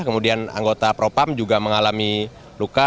kemudian anggota propam juga mengalami luka